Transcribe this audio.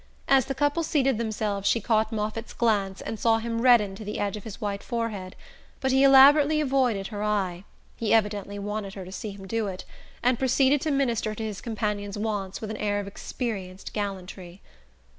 As the couple seated themselves she caught Moffatt's glance and saw him redden to the edge of his white forehead; but he elaborately avoided her eye he evidently wanted her to see him do it and proceeded to minister to his companion's wants with an air of experienced gallantry.